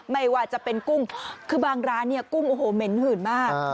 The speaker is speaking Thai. ไม่ว่าจะเป็นกุ้งคือบางร้านเนี่ยกุ้งโอ้โหเหม็นหื่นมาก